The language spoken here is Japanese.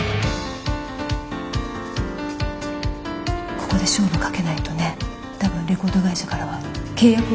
ここで勝負かけないとね多分レコード会社からは契約を切られる。